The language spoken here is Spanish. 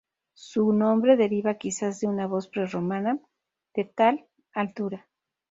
Su nombre deriva quizá de una voz prerromana, de "tal", altura.